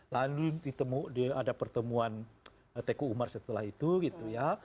lalu ada pertemuan teku umar setelah itu gitu ya